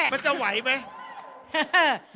มันจะไหวไหม